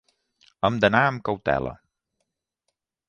Hem d'anar amb cautela.